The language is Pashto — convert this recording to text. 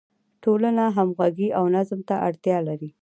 ټولنه همغږي او نظم ته اړتیا لري.